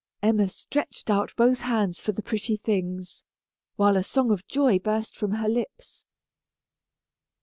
Emma stretched out both hands for the pretty things, while a song of joy burst from her lips.